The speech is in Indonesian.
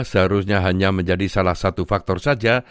seharusnya hanya menjadi salah satu faktor saja